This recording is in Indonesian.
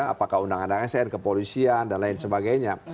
apakah undang undang sr kepolisian dan lain sebagainya